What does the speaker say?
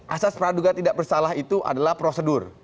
asas peraduga tidak bersalah itu adalah prosedur